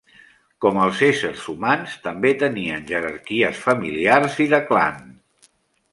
Com els éssers humans, també tenien jerarquies familiars i de clan.